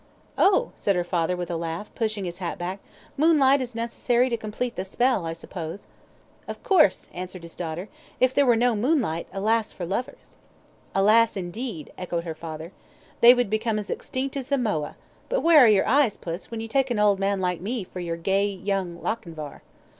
"Oh," said her father, with a laugh, pushing his hat back, "moonlight is necessary to complete the spell, I suppose?" "Of course," answered his daughter. "If there were no moonlight, alas, for lovers!" "Alas, indeed!" echoed her father. "They would become as extinct as the moa; but where are your eyes, Puss, when you take an old man like me for your gay young Lochinvar?"